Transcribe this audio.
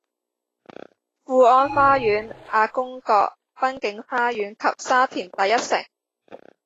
富安花園、亞公角、濱景花園及沙田第一城，